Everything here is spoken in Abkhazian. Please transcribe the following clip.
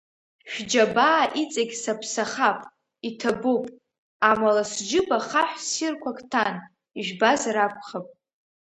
Шәџьабаа иҵегь саԥсахап, иҭабуп, амала сџьыба хаҳә ссирқәак ҭан, ижәбазар акәхап…